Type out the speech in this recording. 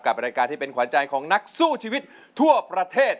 รายการที่เป็นขวานใจของนักสู้ชีวิตทั่วประเทศ